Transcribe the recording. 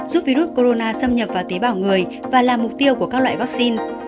giúp virus corona xâm nhập vào tế bào người và là mục tiêu của các loại vaccine